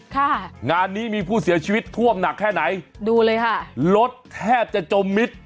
ค่ะงานนี้มีผู้เสียชีวิตท่วมหนักแค่ไหนดูเลยค่ะรถแทบจะจมมิตร